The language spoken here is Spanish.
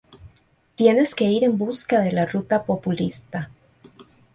Tienes que ir en busca de la ruta populista.